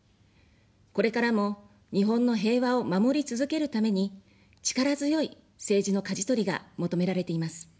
これからも日本の平和を守り続けるために、力強い政治のかじ取りが求められています。